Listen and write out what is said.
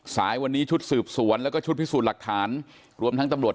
สายวันนี้ชุดสืบสวนแล้วก็ชุดพิสูจน์หลักฐานรวมทั้งตำรวจ